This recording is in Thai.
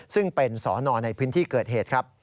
ซึ่งเป็นสอนอในพื้นที่เกิดเหตุครับ